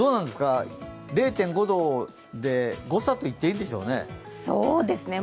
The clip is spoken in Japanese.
０．５度で誤差と言っていいでしょうね。